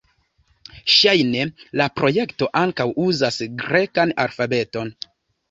Ŝajne la projekto ankaŭ uzas grekan alfabeton.